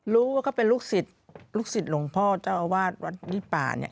รู้ว่าเขาเป็นลูกศิษย์ลูกศิษย์หลวงพ่อเจ้าอาวาสวัดยี่ป่าเนี่ย